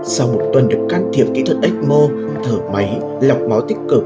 sau một tuần được can thiệp kỹ thuật ếch mô thở máy